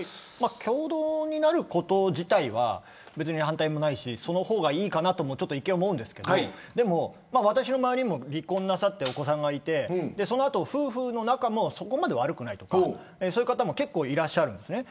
共同になること自体は反対もないし、その方がいいかなとも一見思うんですけどでも私の周りにも離婚なさってお子さんがいてその後、夫婦の仲もそこまで悪くないとかそういう方も結構いらっしゃるんですね。